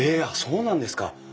あっそうなんですか。